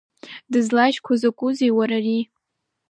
Дызлажьқәоу закәызеи, уара, ари?